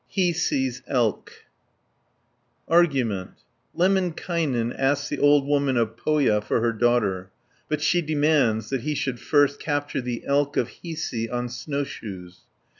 HIISI'S ELK Argument Lemminkainen asks the old woman of Pohja for her daughter, but she demands that he should first capture the Elk of Hiisi on snowshoes (1 30).